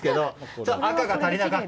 ちょっと赤が足りなかった。